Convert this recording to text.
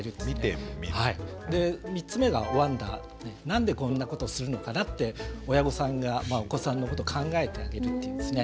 何でこんなことするのかなって親御さんがお子さんのこと考えてあげるっていうですね。